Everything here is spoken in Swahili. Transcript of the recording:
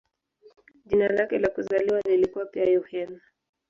Jina lake la kuzaliwa lilikuwa pia "Yohane".